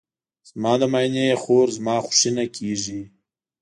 زما د ماینې خور زما خوښینه کیږي.